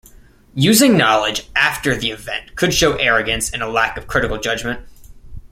Using knowledge after the event could show arrogance and a lack of critical judgement.